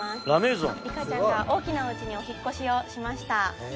リカちゃんが大きなお家にお引っ越しをしました。